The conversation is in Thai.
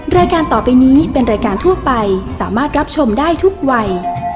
รายการต่อไปนี้เป็นรายการทั่วไปสามารถรับชมได้ทุกวัย